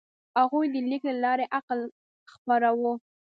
هغوی د لیک له لارې عقل خپراوه.